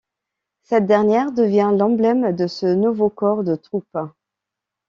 Cette dernière devient l’emblème de ce nouveau corps de troupe.